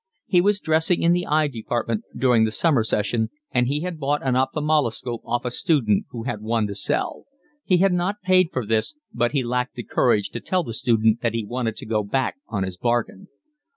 He was dressing in the eye department during the summer session, and he had bought an ophthalmoscope off a student who had one to sell. He had not paid for this, but he lacked the courage to tell the student that he wanted to go back on his bargain.